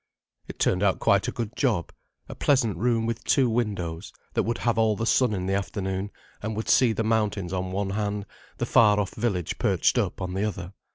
It turned out quite a good job—a pleasant room with two windows, that would have all the sun in the afternoon, and would see the mountains on one hand, the far off village perched up on the other.